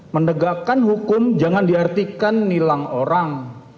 menegakkan hukum jangan diartikan nilang orang